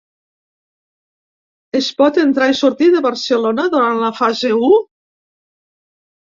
Es pot entrar i sortir de Barcelona durant la fase u?